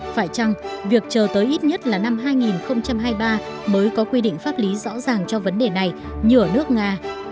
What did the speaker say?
phải chăng việc chờ tới ít nhất là năm hai nghìn hai mươi ba mới có quy định pháp lý rõ ràng cho vấn đề này như ở nước nga thì sẽ là quá muộn